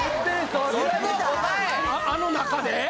あの中で？